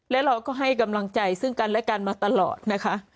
และเราก็ให้กำลังใจซึ่งกันและกันมาตลอดนะคะ